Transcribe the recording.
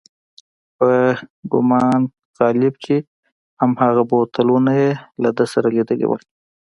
په ګومان غالب چې هماغه بوتلونه یې له ده سره لیدلي و.